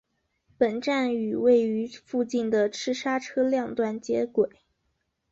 本站与位于附近的赤沙车辆段接轨。